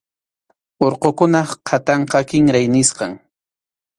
Urqukunap qhatanqa kinray nisqam.